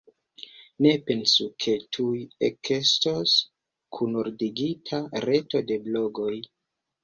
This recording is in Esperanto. Ne pensu, ke tuj ekestos kunordigita reto de blogoj.